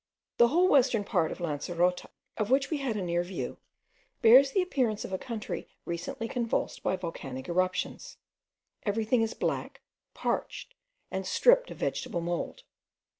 The whole western part of Lancerota, of which we had a near view, bears the appearance of a country recently convulsed by volcanic eruptions. Everything is black, parched, and stripped of vegetable mould.